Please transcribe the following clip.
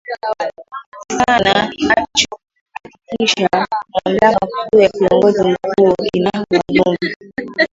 sana kinachohakikisha mamlaka kuu ya kiongozi mkuu Ina wajumbe